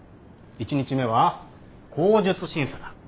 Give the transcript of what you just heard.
１日目は口述審査だ。